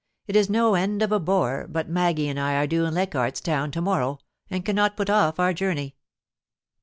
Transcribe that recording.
It is no end of a bore, but Maggie and I are due in Leichardt's Town to morrow, and cannot put off our journey.